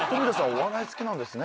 お笑い好きなんですね？